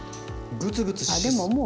グツグツしそう。